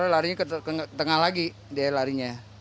larinya ke tengah lagi dia larinya